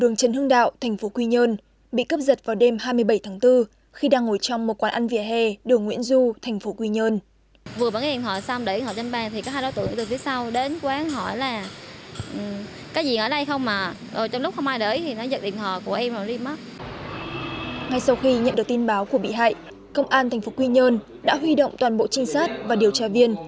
ngay sau khi nhận được tin báo của bị hại công an thành phố quy nhơn đã huy động toàn bộ trinh sát và điều tra viên